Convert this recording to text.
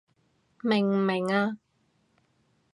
明唔明啊？